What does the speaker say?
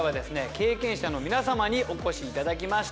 経験者の皆様にお越しいただきました。